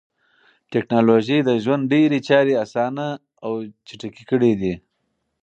ټکنالوژي د ژوند ډېری چارې اسانه او چټکې کړې دي.